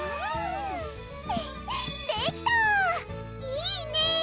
いいね